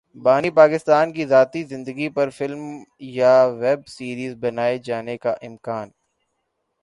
بانی پاکستان کی ذاتی زندگی پر فلم یا ویب سیریز بنائے جانے کا امکان